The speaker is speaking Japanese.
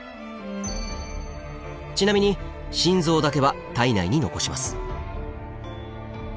ちなみに心臓だけは体内に残します。